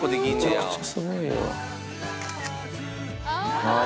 めちゃくちゃすごいよ。